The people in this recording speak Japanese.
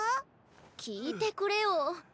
きいてくれよ。